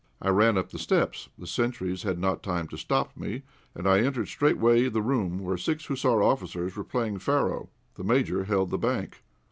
I ran up the steps. The sentries had not time to stop me, and I entered straightway the room, where six hussar officers were playing "faro." The Major held the bank.